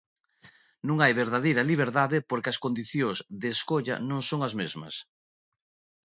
Non hai verdadeira liberdade porque as condicións de escolla non son as mesmas.